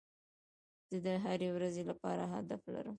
زه د هري ورځي لپاره هدف لرم.